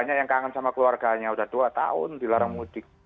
banyak yang kangen sama keluarganya udah dua tahun dilarang mudik